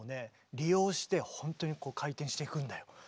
利用して本当に回転していくんだよ。